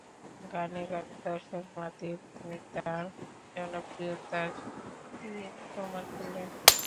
গানে গানে দর্শক মাতিয়ে তিনি তাঁর জনপ্রিয়তার সত্যি মিথ্যা প্রমাণ করলেন।